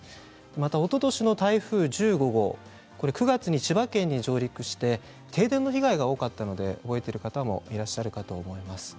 おととしの台風１５号は９月に千葉県に上陸して停電の被害が多かったので覚えている方もいらっしゃると思います。